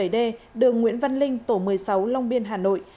hai nghìn chín trăm một mươi bảy d đường nguyễn văn linh tổ một mươi sáu long biên hà nội